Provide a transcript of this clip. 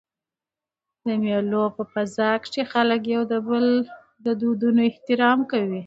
د مېلو په فضا کښي خلک د یو بل د دودونو احترام کوي.